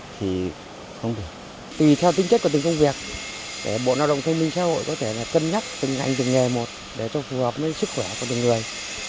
tùy theo tính chất của từng công việc để bộ lao động thương minh xã hội có thể là cân nhắc từng ngành từng nghề một để cho phù hợp với sức khỏe của từng người